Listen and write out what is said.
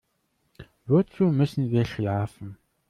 Wozu müssen wir schlafen?